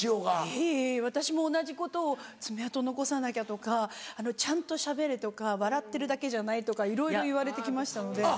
いえいえ私も同じことを爪痕残さなきゃとかちゃんとしゃべれとか笑ってるだけじゃないとかいろいろ言われて来ましたので。